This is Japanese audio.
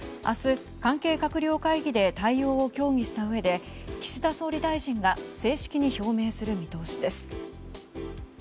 明日、関係閣僚会議で対応を協議したうえで岸田総理大臣が正式に表明する見通しです。